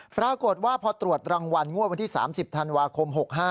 ปรากฏว่าพอตรวจรางวัลงวดวันที่๓๐ธันวาคม๖๕